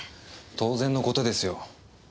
当然の事ですよ。